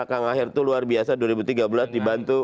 kang aher itu luar biasa dua ribu tiga belas dibantu